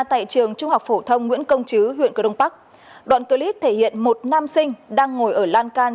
tại trường trung học phổ thông nguyễn công chứ huyện cơ đông bắc đoạn clip thể hiện một nam sinh đang ngồi ở lan can